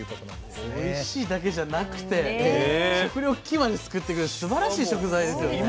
おいしいだけじゃなくて食糧危機まで救ってくれるってすばらしい食材ですよね。